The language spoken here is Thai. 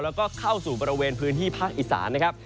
แล้วก็เข้าสู่บริเวณพื้นที่ภาคอีสานนะครับ